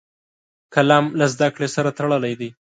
قلم له زده کړې سره تړلی دی